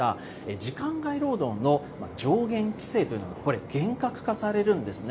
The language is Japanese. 時間外労働の上限規制というのが厳格化されるんですね。